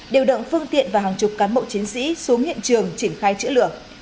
đều đợng phương tiện và hàng chục cán bộ chiến sĩ xuống hiện trường triển khai chữa lửa